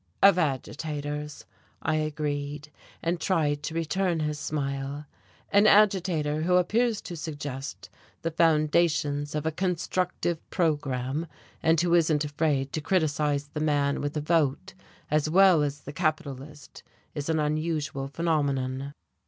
"Of agitators," I agreed, and tried to return his smile. "An agitator who appears to suggest the foundations of a constructive programme and who isn't afraid to criticise the man with a vote as well as the capitalist is an unusual phenomenon."